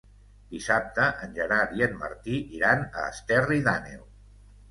Dissabte en Gerard i en Martí iran a Esterri d'Àneu.